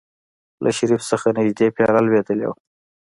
له شريف څخه نژدې پياله لوېدلې وه.